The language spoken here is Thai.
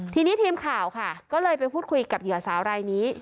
ทีนี้ทีมข่าวค่ะก็เลยไปพูดคุยกับเหยื่อสาวรายนี้